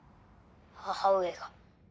「母上が？」